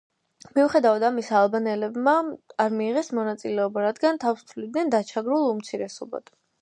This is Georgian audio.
მიუხედავად ამისა ალბანელებმა არ მიიღეს მონაწილეობა, რადგან თავს თვლიდნენ დაჩაგრულ უმცირესობად.